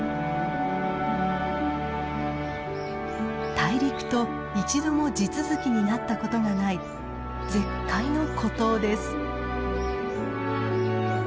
大陸と一度も地続きになったことがない絶海の孤島です。